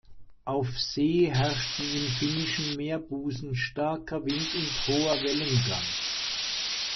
Auf See herrschten im Finnischen Meerbusen starker Wind und hoher Wellengang.